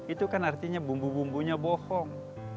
itu kan artinya bumbu bumbunya bohong